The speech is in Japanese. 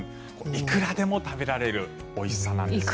いくらでも食べられるおいしさなんです。